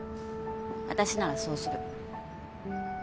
私ならそうする。